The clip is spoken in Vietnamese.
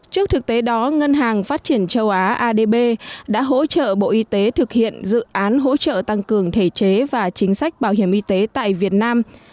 trước thực tế đó ngân hàng phát triển châu á adb đã hỗ trợ bộ y tế thực hiện dự án hỗ trợ tăng cường thể chế và chính sách bảo hiểm y tế tại việt nam